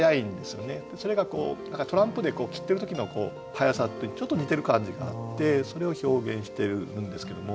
それがトランプで切ってる時の迅さとちょっと似てる感じがあってそれを表現してるんですけども。